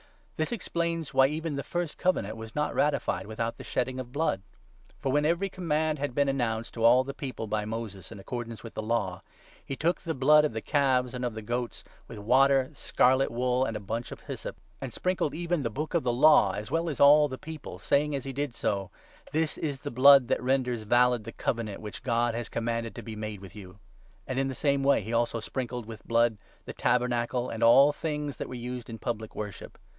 This explains why even the first Covenant was 18 not ratified without the shedding of blood. For, when every 19 command had been announced to all the people by Moses in accordance with the Law, he took the blood of the calves and of the goats, with water, scarlet wool, and a bunch of hyssop, and sprinkled even the Book of the Law, as well as all the people, saying, as he did so — "This is the blood that renders 20 valid the Covenant which God has commanded to be made with you." And in the same way he also sprinkled with the 21 blood the Tabernacle and all the things that were used in public worship.